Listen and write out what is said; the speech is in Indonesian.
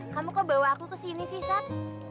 kamu kok bawa aku kesini sih sat